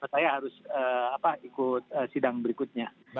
saya harus ikut sidang berikutnya